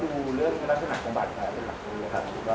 ก็ดูเลือดรักษณะของบาดแผลเป็นหลักครับ